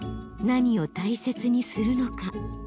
何を大切にするのか。